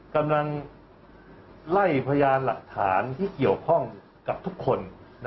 กำลังไล่พยานหลักฐานที่เกี่ยวข้องกับทุกคน